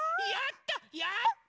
・やった！